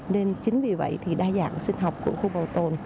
nên chính vì vậy thì đa dạng sinh học của khu bảo tồn